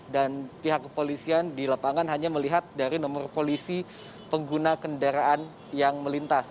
dan pihak kepolisian di lapangan hanya melihat dari nomor polisi pengguna kendaraan yang melintas